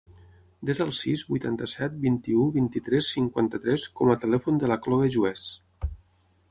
Desa el sis, vuitanta-set, vint-i-u, vint-i-tres, cinquanta-tres com a telèfon de la Khloe Juez.